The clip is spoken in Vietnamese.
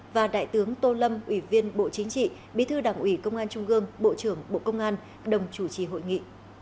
và đại tướng tô lâm ủy viên bộ chính trị bí thư đảng ủy công an trung gương bộ trưởng bộ công an đồng chủ trì hội nghị